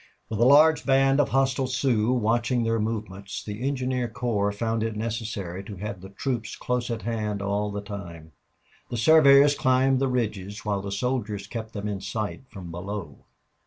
With a large band of hostile Sioux watching their movements the engineer corps found it necessary to have the troops close at hand all the time. The surveyors climbed the ridges while the soldiers kept them in sight from below.